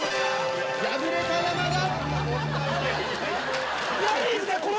敗れた山田。